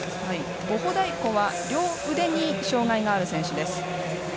ボホダイコは両腕に障がいがある選手です。